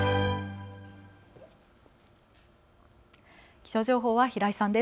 気象情報は平井さんです。